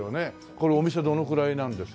このお店どのくらいなんですか？